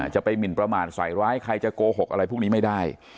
จะไปหมินประมาทใส่ร้ายใครจะโกหกอะไรพวกนี้ไม่ได้